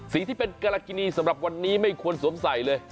ที่เป็นกรกินีสำหรับวันนี้ไม่ควรสวมใส่เลย